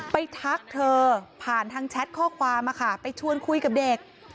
ทักเธอผ่านทางแชทข้อความไปชวนคุยกับเด็ก